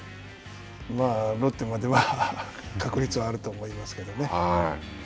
ロッテまでは確率はあると思いますけどね。